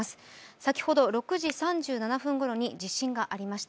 先ほど、６時３７分ごろに地震がありました。